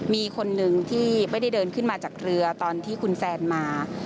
มีคนหนึ่งที่ไม่ได้เดินขึ้นมาจากเรือตอนที่คุณแซนมา